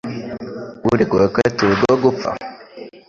Uregwa yakatiwe urwo gupfa ?